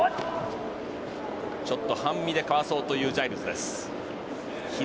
ちょっと半身でかわそうというジャイルズです。